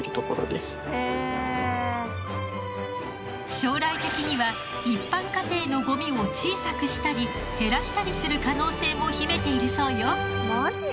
将来的には一般家庭のゴミを小さくしたり減らしたりする可能性も秘めているそうよ。